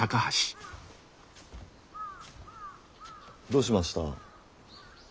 どうしました？